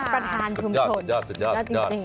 ประธานชุมชนสุดยอดสุดยอดจริง